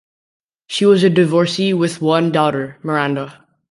She was a divorcee with one daughter, Miranda.